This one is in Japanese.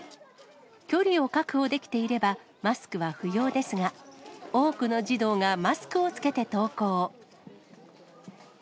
距離を確保できていればマスクは不要ですが、多くの児童がマスクを着けて登校。